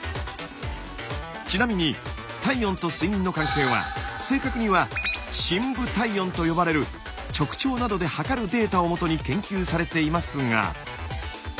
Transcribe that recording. ちなみに体温と睡眠の関係は正確には深部体温と呼ばれる直腸などで測るデータをもとに研究されていますが。